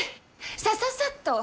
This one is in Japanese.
さささっと！